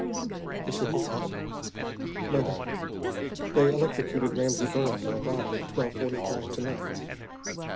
He shook his head. "Mother they electrocuted Ramsey Burr in my body at twelve forty five to night!"